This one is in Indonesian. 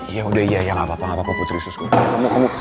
ya udah iya gakpapa putri sus goreng